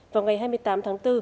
vào ngày hai mươi tám tháng bốn